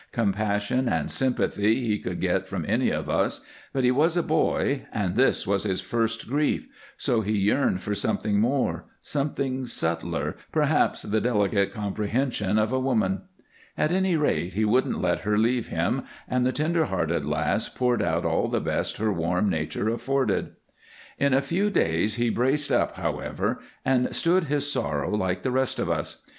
Compassion and sympathy he could get from any of us, but he was a boy and this was his first grief, so he yearned for something more, something subtler, perhaps the delicate comprehension of a woman. At any rate, he wouldn't let her leave him, and the tender hearted lass poured out all the best her warm nature afforded. In a few days he braced up, however, and stood his sorrow like the rest of us.